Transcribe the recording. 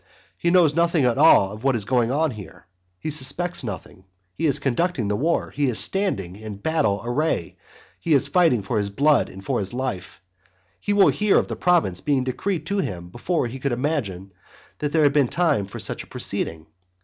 He knows nothing of all that is going on here, he suspects nothing, he is conducting the war, he is standing in battle array, he is fighting for his blood and for his life, he will hear of the province being decreed to him before he could imagine that there had been time for such a proceeding.